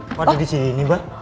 kok ada di sini nih mbak